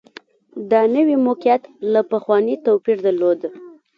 دا نوي موقعیت له پخواني توپیر درلود